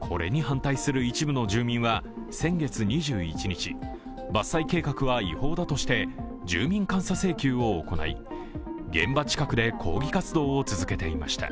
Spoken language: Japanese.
これに反対する一部の住民は先月２１日、伐採計画は違法だとして住民監査請求を行い、現場近くで抗議活動を続けていました。